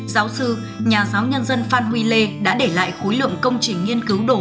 giáo sư nhà giáo nhân dân phan huy lê đã để lại khối lượng công trình nghiên cứu đủ